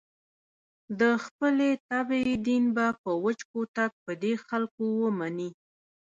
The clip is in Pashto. د خپلې طبعې دین به په وچ کوتک په دې خلکو ومني.